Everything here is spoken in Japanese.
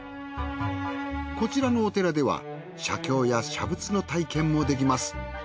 こちらのお寺では写経や写仏の体験もできます。